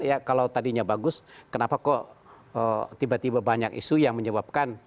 ya kalau tadinya bagus kenapa kok tiba tiba banyak isu yang menyebabkan